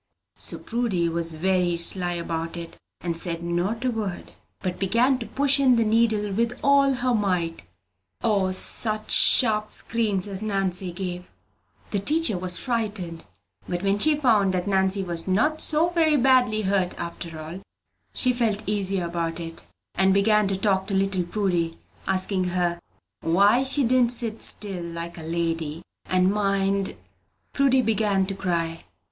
So Prudy was very sly about it, and said not a word, but began to push in the needle with all her might. O, such sharp screams as Nannie gave! The teacher was frightened; but when she found that Nannie was not so very badly hurt after all, she felt easier about her, and began to talk to little Prudy, asking her "why she didn't sit still, like a lady, and mind?" Prudy began to cry.